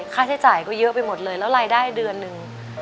ค่าใช้จ่ายก็เยอะไปหมดเลยแล้วรายได้เดือนหนึ่ง